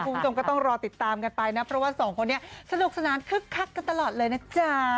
คุณผู้ชมก็ต้องรอติดตามกันไปนะเพราะว่าสองคนนี้สนุกสนานคึกคักกันตลอดเลยนะจ๊ะ